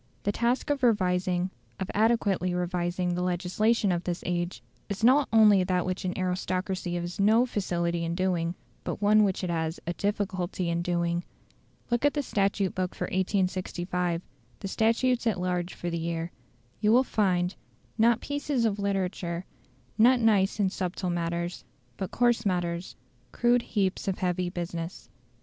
The task of revising, of adequately revising the legislation of this age, is not only that which an aristocracy has no facility in doing, but one which it has a difficulty in doing. Look at the statute book for 1865 the statutes at large for the year. You will find, not pieces of literature, not nice and subtle matters, but coarse matters, crude heaps of heavy business.